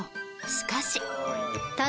しかし。